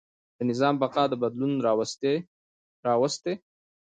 د نظام بقا دا بدلون راوستی.